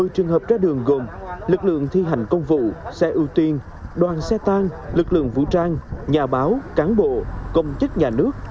một mươi trường hợp ra đường gồm lực lượng thi hành công vụ xe ưu tiên đoàn xe tan lực lượng vũ trang nhà báo cán bộ công chức nhà nước